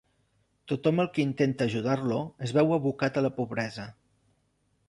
Tothom el que intenta ajudar-lo es veu abocat a la pobresa.